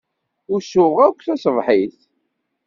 Usuɣ akk taṣebḥit.